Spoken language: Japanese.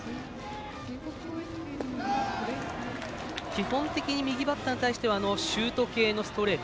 基本的に右バッターに対してはシュート系のストレート